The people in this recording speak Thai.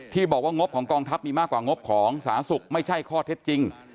บอกว่างบของกองทัพมีมากกว่างบของสาธารณสุขไม่ใช่ข้อเท็จจริง